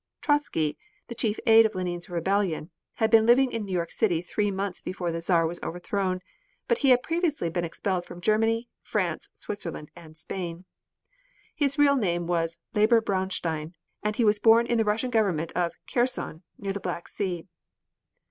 Trotzky, the chief aid of Lenine's rebellion, had been living in New York City three months before the Czar was overthrown, but he had previously been expelled from Germany, France, Switzerland and Spain. His real name was Leber Braunstein, and he was born in the Russian Government of Kherson, near the Black Sea.